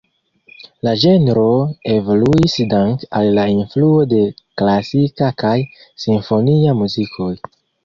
La ĝenro evoluis danke al la influo de klasika kaj simfonia muzikoj.